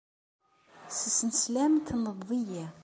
S snesla-m tenneḍ-iyi.